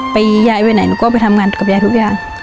ไปยายที่ไหนก็ก็ไปทำงานกับยายทุกอย่าง